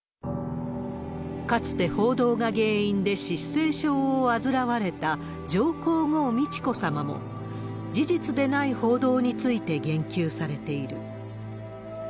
かつて報道が原因で失声症を患われた上皇后美智子さまも、事実でない報道について言及されている。